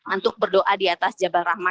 untuk berdoa di atas jabal rahman